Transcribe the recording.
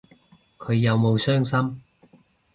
佢有冇傷心